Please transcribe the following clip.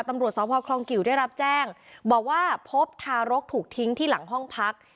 ตำรวจสพคลองกิวได้รับแจ้งบอกว่าพบทารกถูกทิ้งที่หลังห้องพัก